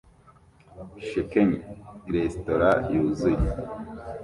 shakeni resitora yuzuye